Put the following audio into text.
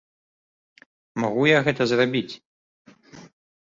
Магу я гэта зрабіць?